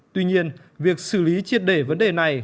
tuy nhiên việc xử lý triệt để vấn đề này